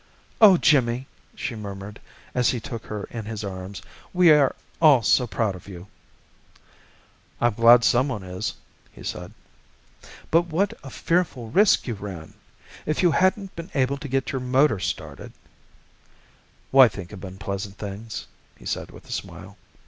"Oh, Jimmy!" she murmured, as he took her in his arms. "We're all so proud of you!" "I'm glad someone is," he said. "But what a fearful risk you ran! If you hadn't been able to get your motor started " "Why think of unpleasant things?" he said with a smile.